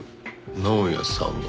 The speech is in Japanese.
「直哉さんが？